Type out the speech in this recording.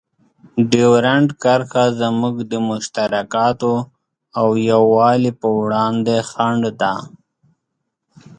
ډیورنډ کرښه زموږ د مشترکاتو او یووالي په وړاندې خنډ ده.